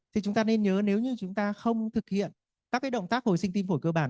thì chúng ta nên nhớ nếu như chúng ta không thực hiện các động tác hồi sinh tim phổi cơ bản